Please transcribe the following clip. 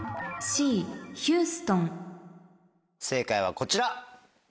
正解はこちら！